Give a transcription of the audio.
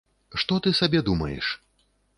Што ты сабе думаеш?